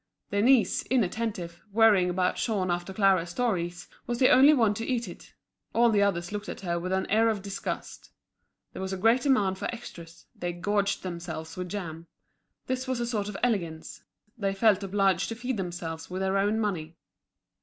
Denise, inattentive, worrying about Jean after Clara's stories, was the only one to eat it; all the others looked at her with an air of disgust. There was a great demand for extras, they gorged themselves with jam. This was a sort of elegance, they felt obliged to feed themselves with their own money.